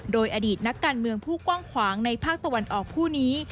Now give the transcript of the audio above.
โดยอดีตนักการเมืองผู้กว้างขวางในภาคตะวันออกผู้นี้